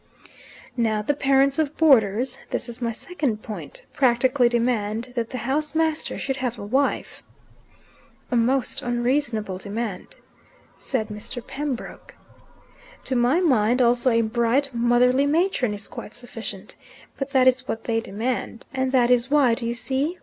"Now the parents of boarders this is my second point practically demand that the house master should have a wife." "A most unreasonable demand," said Mr. Pembroke. "To my mind also a bright motherly matron is quite sufficient. But that is what they demand. And that is why do you see?